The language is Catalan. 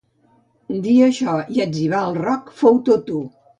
Dir això i etzibar el roc fou tot u.